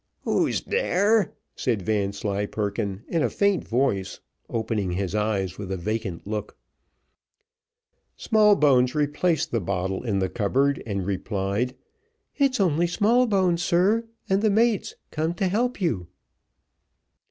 "Who's there?" said Vanslyperken in a faint voice, opening his eyes with a vacant look. Smallbones replaced the bottle in the cupboard, and replied, "It's only Smallbones, sir, and the mates, come to help you."